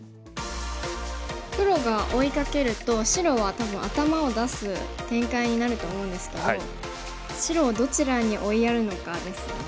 黒が追いかけると白は多分頭を出す展開になると思うんですけど白をどちらに追いやるのかですよね。